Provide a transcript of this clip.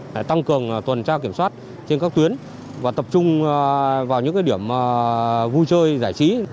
để tăng cường tuần tra kiểm soát trên các tuyến và tập trung vào những điểm vui chơi giải trí